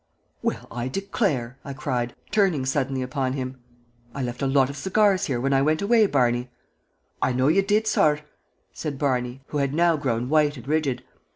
"Well, I declare!" I cried, turning suddenly upon him. "I left a lot of cigars here when I went away, Barney." "I know ye did, sorr," said Barney, who had now grown white and rigid.